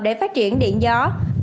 để phát triển điện gió